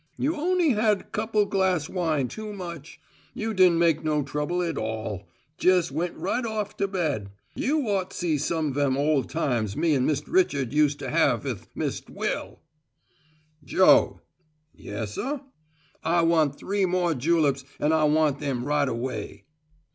You on'y had couple glass' wine too much. You din' make no trouble at all; jes' went right off to bed. You ought seen some vem ole times me an Mist' Richard use to have 'ith Mist' Will " "Joe!" "Yessuh." "I want three more juleps and I want them right away."